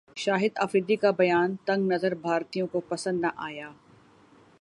شاہد افریدی کا بیان تنگ نظر بھارتیوں کو پسند نہ ایا